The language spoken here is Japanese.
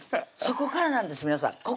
そこからなんです皆さん